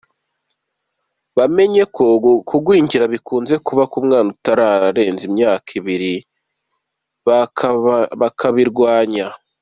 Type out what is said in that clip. Bamenye ko kugwingira bikunze kuba ku mwana utararenza imyaka ibiri, bakabirwanya.